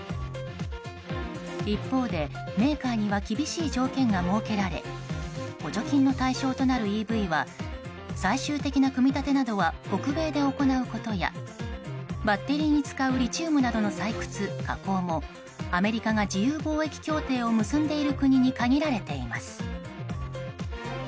一方で、メーカーには厳しい条件が設けられ補助金の対象となるＥＶは最終的な組み立てなどは北米で行うことやバッテリーに使うリチウムなどの採掘・加工もアメリカが自由貿易協定を結んでいる国に限られています。